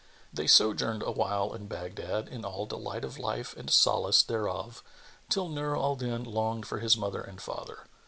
They sojourned awhile in Baghdad in all delight of life and solace thereof till Nur al Din longed for his mother and father.